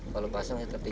kalau pasang itu tiga meter